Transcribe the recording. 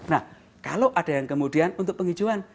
nah kalau ada yang kemudian untuk penghijauan